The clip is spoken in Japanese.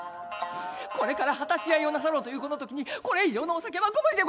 これから果し合いをなさろうというこのときにこれ以上のお酒はご無理でございます」。